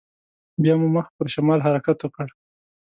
بيا مو مخ پر شمال حرکت وکړ.